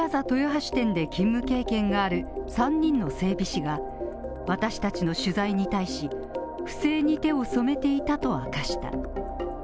豊橋店で勤務経験がある３人の整備士が、私たちの取材に対し不正に手を染めていたと明かした。